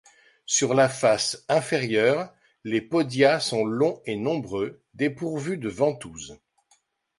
Sur la face inférieure, les podia sont longs et nombreux, dépourvus de ventouse.